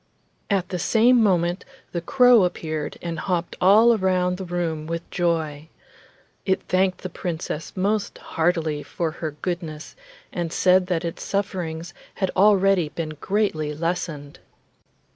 At the same moment the crow appeared and hopped all round the room with joy. It thanked the Princess most heartily for her goodness, and said that its sufferings had already been greatly lessened.